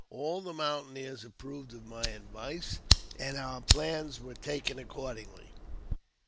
All the mountaineers approved of my advice, and our plans were taken accordingly.